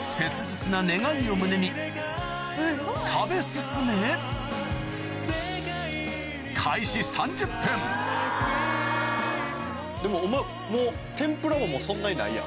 切実な願いを胸に食べ進めでもお前もう天ぷらもそんなにないやん。